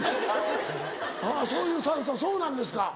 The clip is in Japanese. あぁそういうさんさそうなんですか？